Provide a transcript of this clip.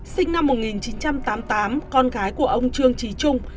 sinh năm một nghìn chín trăm tám mươi tám con gái của ông trương trí trung